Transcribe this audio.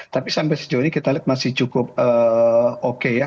tapi sampai sejauh ini kita lihat masih cukup oke ya